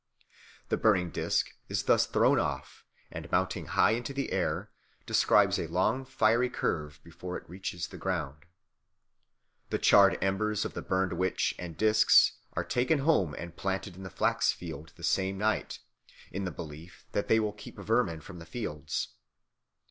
The burning disc is thus thrown off, and mounting high into the air, describes a long fiery curve before it reaches the ground. The charred embers of the burned "witch" and discs are taken home and planted in the flax fields the same night, in the belief that they will keep vermin from the fields.